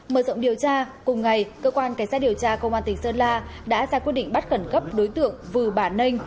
mở rộng điều tra cùng ngày cơ quan cảnh sát điều tra công an tỉnh sơn la đã ra quyết định bắt khẩn cấp đối tượng vừ bản ninh